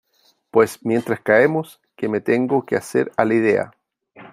pues mientras caemos , que me tengo que hacer a la idea